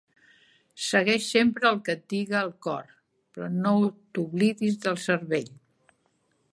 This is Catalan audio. Segueix sempre el que et diga el cor, però no t'oblides del cervell.